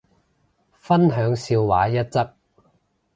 分享笑話一則